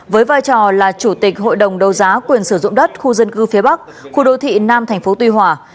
với vai trò là chủ tịch hội đồng đấu giá quyền sử dụng đất khu dân cư phía bắc khu đô thị nam tp tuy hòa